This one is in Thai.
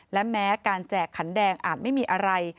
และแม้การแจกขันแดงอาจไม่มีอะไร